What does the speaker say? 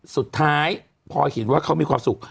สุดท้ายพอเห็นว่าเขามีความสุข